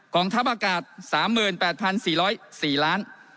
งทัพอากาศ๓๘๔๐๔ล้าน